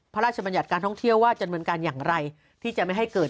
พระราชญามัญญัติการท่องเที่ยวว่าจำนวนการอย่างไรที่จะไม่ให้เกิด